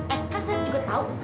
eh kan saya juga tahu